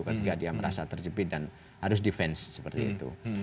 ketika dia merasa terjepit dan harus defense seperti itu